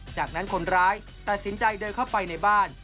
จากนั้นคนร้ายตัดสินใจเดินเข้าไปในบ้าน